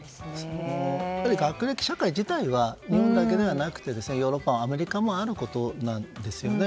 学歴社会自体は日本だけではなくてヨーロッパもアメリカもあることなんですよね。